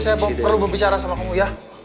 saya perlu berbicara sama kamu ya